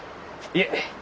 いえ。